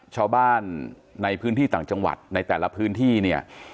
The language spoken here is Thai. ชาวบ้านในพื้นที่ต่างจังหวัดในแต่ละพื้นที่เนี่ย